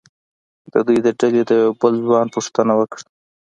د دوی د ډلې د یوه بل ځوان پوښتنه وکړه.